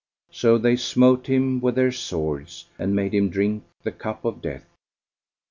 "[FN#431] So they smote him with their swords and made him drink the cup of death.